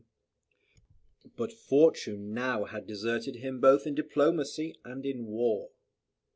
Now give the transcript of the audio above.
But fortune now had deserted him both in diplomacy and in war.